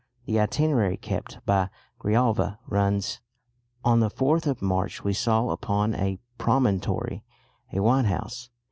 The itinerary kept by Grijalva runs: "On the 4th of March we saw upon a promontory a white house....